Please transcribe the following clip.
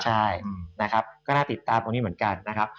ใช่นะครับก็น่าติดตามตรงนี้เหมือนกันนะครับ